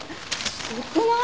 すごくない？